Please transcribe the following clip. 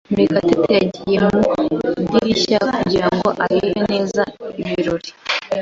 Murekatete yagiye mu idirishya kugirango arebe neza ibibera.